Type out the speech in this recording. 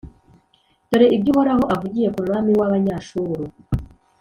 Dore ibyo Uhoraho avugiye ku mwami w’Abanyashuru: